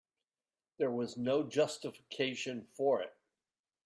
There was no justification for it.